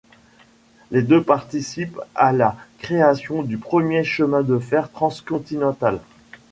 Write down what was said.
Les deux participent à la création du premier chemin de fer transcontinental.